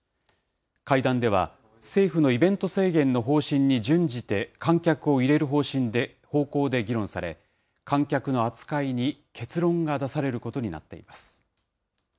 会談では、政府のイベント制限の方針に準じて観客を入れる方向で議論され、観客の扱いに結論が出されることになっています。